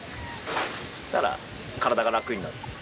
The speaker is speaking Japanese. そうしたら体が楽になって。